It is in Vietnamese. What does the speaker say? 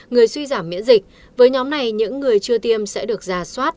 người suy giảm miễn dịch với nhóm này những người chưa tiêm sẽ được giả soát